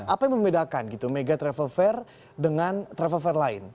apa yang membedakan gitu mega travel fair dengan travel fair lain